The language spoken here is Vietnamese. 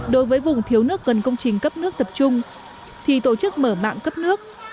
đối với vùng thiếu nước gần công trình cấp nước tập trung thì tổ chức mở mạng cấp nước